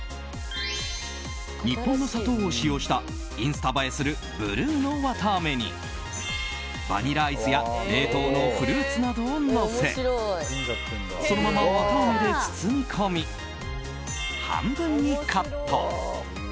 日本の砂糖を使用したインスタ映えするブルーの綿あめにバニラアイスや冷凍のフルーツなどをのせそのまま、綿あめで包み込み半分にカット。